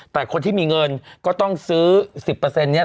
แต่คนที่มีเงินก็ต้องซื้อ๑๐นี้